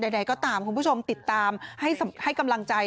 ใดก็ตามคุณผู้ชมติดตามให้กำลังใจ